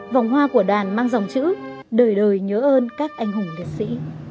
vòng hoa của đoàn mang dòng chữ đời đời nhớ ơn các anh hùng liệt sĩ